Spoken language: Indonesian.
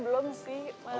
saya udah pesen makanan